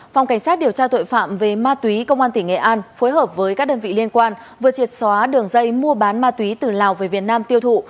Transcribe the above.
phòng cảnh sát điều tra tội phạm về ma túy công an tỉnh nghệ an phối hợp với các đơn vị liên quan vừa triệt xóa đường dây mua bán ma túy từ lào về việt nam tiêu thụ